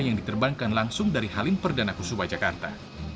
yang diterbangkan langsung dari halim perdana kusuma jakarta